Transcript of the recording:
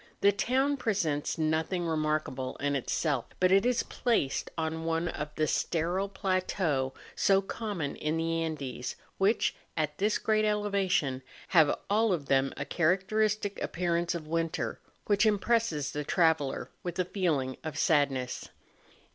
The town presents nothing remarkable in itself; hut it is placed on one of the sterile plateaux so common in the Andes, which, at this great elevation, have all of them a chamcteristic appearance of winter, which impresses the traveller with a feeling of sadness.